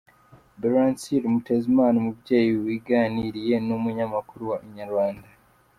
Belancille Mutezimana, umubyeyi waganiriye n’umunyamakuru wa Inyarwanda.